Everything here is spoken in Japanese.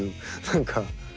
何か。